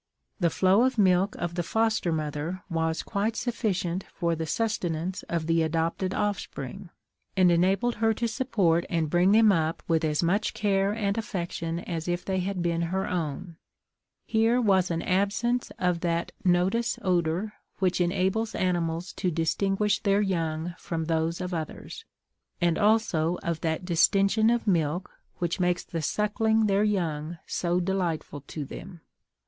The flow of milk of the foster mother was quite sufficient for the sustenance of the adopted offspring, and enabled her to support and bring them up with as much care and affection as if they had been her own. Here was an absence of that notus odor which enables animals to distinguish their young from those of others, and also of that distension of milk which makes the suckling their young so delightful to them.